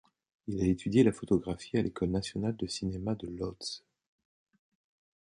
Il a étudié la photographie à l'école nationale de cinéma de Łódź.